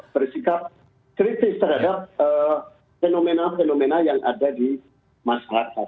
bersikap kritis terhadap fenomena fenomena yang ada di masyarakat